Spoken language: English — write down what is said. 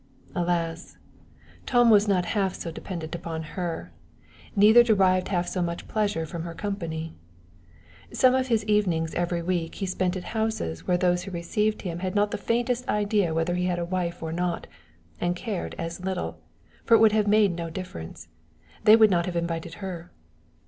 Alas! Tom was not half so dependent upon her, neither derived half so much pleasure from her company. Some of his evenings every week he spent at houses where those who received him had not the faintest idea whether he had a wife or not, and cared as little, for it would have made no difference: they would not have invited her.